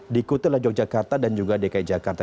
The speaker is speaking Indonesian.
diikuti oleh yogyakarta dan juga dki jakarta